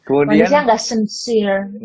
manisnya gak sempurna